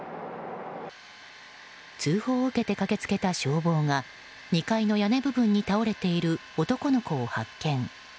通報を受けて駆け付けた消防が２階の屋根部分に倒れている男の子を発見。